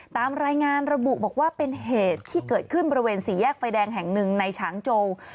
ตามรายงานระบุบอกว่าเป็นเหตุที่เกิดขึ้นบริเวณสี่แยกไฟแดงแห่งหนึ่งในฉางโจ